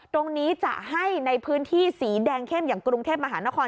ตรงนี้จะให้ในพื้นที่สีแดงเข้มอย่างกรุงเทพมหานคร